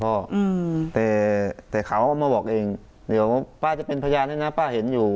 อืมแต่แต่เขาเอามาบอกเองเดี๋ยวป้าจะเป็นพยานด้วยนะป้าเห็นอยู่